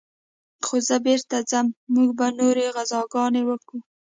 خو زه بېرته ځم موږ به نورې غزاګانې وكو.